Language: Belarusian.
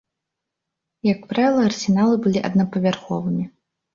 Як правіла арсеналы былі аднапавярховымі.